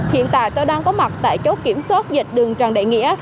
hiện tại tôi đang có mặt tại chốt kiểm soát dịch đường trần đại nghĩa